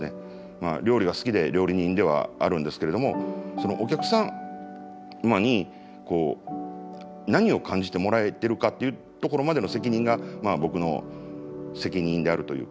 料理が好きで料理人ではあるんですけれどもそのお客様に何を感じてもらえてるかっていうところまでの責任が僕の責任であるというか。